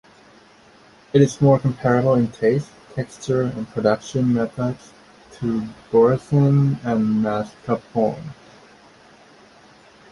It is more comparable in taste, texture, and production methods to Boursin and Mascarpone.